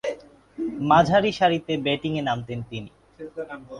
মাঝারিসারিতে ব্যাটিংয়ে নামতেন তিনি।